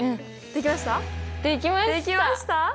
できました！